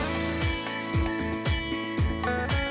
พี่สิทธิ์ของเป้น